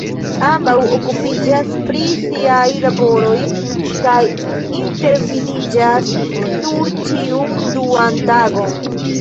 Ambaŭ okupiĝas pri siaj laboroj kaj intervidiĝas nur ĉiun duan tagon.